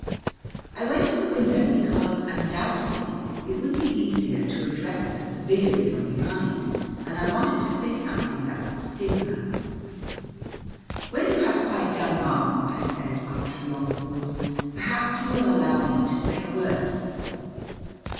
I went to the window because, undoubtedly, it would be easier to address her severely from behind, and I wanted to say something that would sting her. "When you have quite done, ma'am," I said, after a long pause, "perhaps you will allow me to say a word."